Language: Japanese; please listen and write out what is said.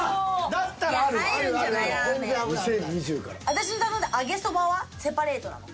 私の頼んだ揚げそばはセパレートなの？